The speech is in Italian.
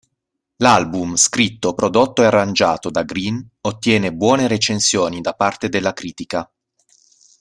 L'album, scritto, prodotto e arrangiato da Green, ottiene buone recensioni da parte della critica.